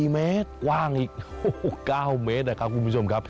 ๔เมตรกว้างอีก๙เมตรนะครับคุณผู้ชมครับ